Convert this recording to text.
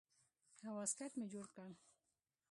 يو واسکټ مې جوړ کړ.